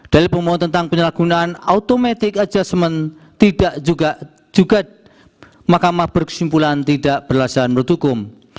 dalil pemohon tentang penyalahgunaan automatic adjustment tidak juga mahkamah berkesimpulan tidak berasa menurut hukum